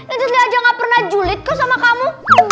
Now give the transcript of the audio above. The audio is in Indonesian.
incis liat aja gak pernah julid kok sama kamu